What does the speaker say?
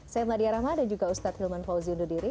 saya meladia rahma dan juga ustadz hilman fauzi undur diri